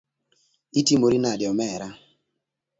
Itimori nade omera.